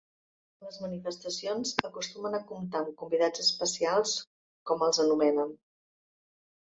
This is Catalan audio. Les manifestacions acostumen a comptar amb convidats especials, com els anomenen.